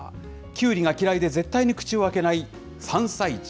キュウリが嫌いで、絶対に口を開けない３歳児。